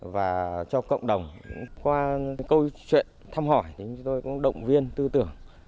và cho cộng đồng qua câu chuyện thăm hỏi thì chúng tôi cũng động viên tư tưởng